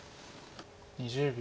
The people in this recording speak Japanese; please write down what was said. ２０秒。